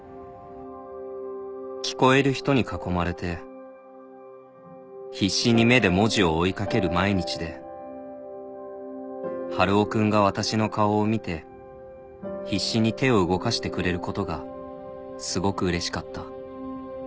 「聞こえる人に囲まれて必死に目で文字を追い掛ける毎日で春尾君が私の顔を見て必死に手を動かしてくれることがすごくうれしかった」